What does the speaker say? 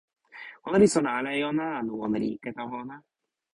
ona li sona ala e ona, anu ona li ike tawa ona.